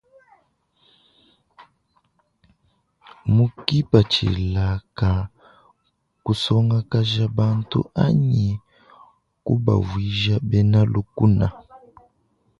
Mu kipatshila ka kusongakaja bantu anyi kubavuija bena lukna.